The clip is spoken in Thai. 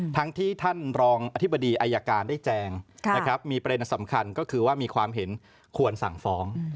ทั้งที่ท่านรองอธิบดีอายการได้แจงนะครับมีประเด็นสำคัญก็คือว่ามีความเห็นควรสั่งฟ้อง